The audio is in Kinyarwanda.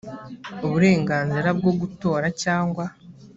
uburenganzira bwo gutora cyangwa